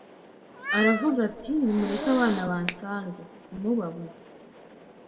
Aravuga ati Nimureke abana bansange ntimubabuze